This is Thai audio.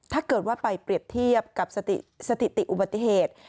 ถ้าเกิดว่าไปเปรียบเทียบกับสถิติอุบัติเหตุ